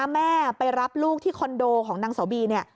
แม่ไปรับลูกที่คอนโดของนางเสาบีเนี่ย